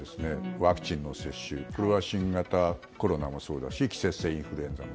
ワクチンの接種新型コロナもそうだし季節性インフルエンザも。